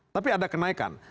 tapi ada kenaikan